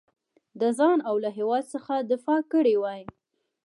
د ځان او له هیواد څخه دفاع کړې وای.